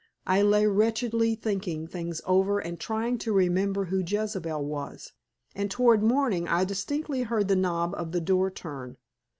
I lay wretchedly thinking things over and trying to remember who Jezebel was, and toward morning I distinctly heard the knob of the door turn.